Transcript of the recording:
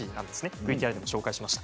ＶＴＲでも紹介しました。